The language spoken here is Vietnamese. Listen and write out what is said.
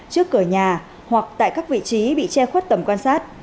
trước cửa nhà hoặc tại các vị trí bị che khuất tầm quan sát